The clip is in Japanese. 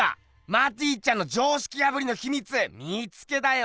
マティちゃんの常識破りのひみつ見つけたよ！